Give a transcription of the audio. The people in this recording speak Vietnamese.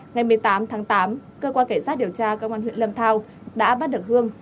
ngày một mươi tám tháng tám cơ quan cảnh sát điều tra công an huyện lâm thao đã bắt được hương